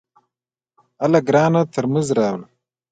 هله ګرانه ترموز راوړه !